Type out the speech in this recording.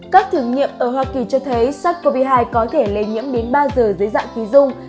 các thử nghiệm ở hoa kỳ cho thấy sars cov hai có thể lây nhiễm đến ba giờ dưới dạng khí dung